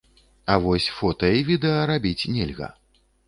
А вось фота і відэа рабіць нельга.